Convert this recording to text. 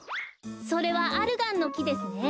それはアルガンのきですね。